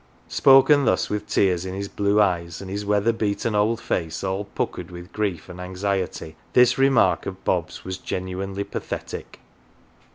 Spoken thus with tears in his blue eyes, and his weather beaten old face all puckered with grief and anxiety, this remark of Bob's was genuinely pathetic.